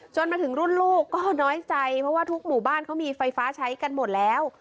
มาถึงรุ่นลูกก็น้อยใจเพราะว่าทุกหมู่บ้านเขามีไฟฟ้าใช้กันหมดแล้ว